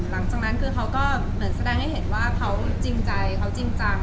หลังจากนั้นคือเขาก็เหมือนแสดงให้เห็นว่าเขาจริงใจเขาจริงจัง